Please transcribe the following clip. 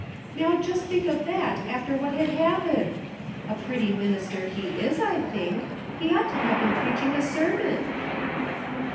How just think of that after what had happened. A pretty minister he is, I think. He ought to have been preaching a sermon."